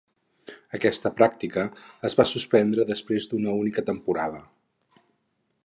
Aquesta pràctica es va suspendre després d'una única temporada.